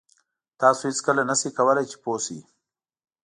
تاسو هېڅکله نه شئ کولای چې پوه شئ.